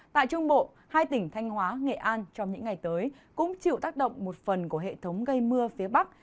tại trung bộ hai tỉnh thanh hóa nghệ an trong những ngày tới cũng chịu tác động một phần của hệ thống gây mưa phía bắc